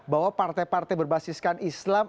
bahwa partai partai berbasiskan islam